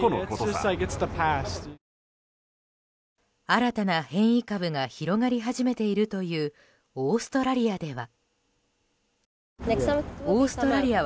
新たな変異株が広がり始めているというオーストラリアでは。